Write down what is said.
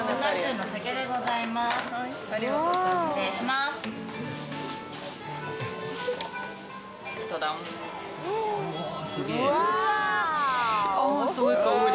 すごい香り。